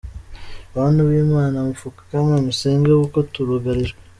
Bantu b’Imana mupfukame musenge kuko turugarijwe.